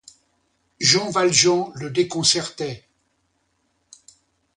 Jean Valjean le déconcertait.